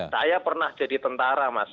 saya pernah jadi tentara mas